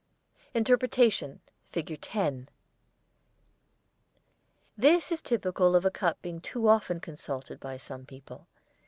INTERPRETATION FIG. 10 This is typical of the cup being too often consulted by some people.